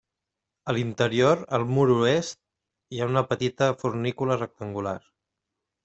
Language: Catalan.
A l'interior, al mur oest, hi ha una petita fornícula rectangular.